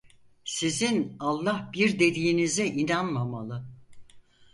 Sizin Allah bir dediğinize inanmamalı.